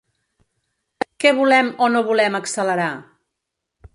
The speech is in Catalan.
Què volem o no volem accelerar?